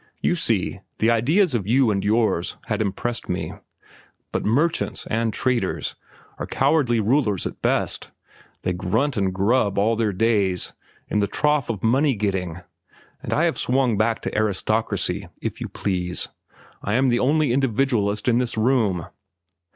You see, the ideas of you and yours had impressed me. But merchants and traders are cowardly rulers at best; they grunt and grub all their days in the trough of money getting, and I have swung back to aristocracy, if you please. I am the only individualist in this room.